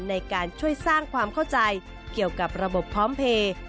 ในการช่วยสร้างความเข้าใจเกี่ยวกับระบบพร้อมเพลย์